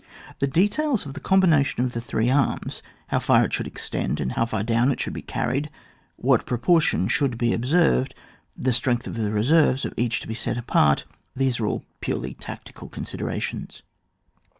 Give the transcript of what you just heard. The details of the combination of the three arms, how far it should extend, how low down it should be carried, what proportions should be observed, the strength of the reserves of each to be set apart — these are all purely tactical considerations.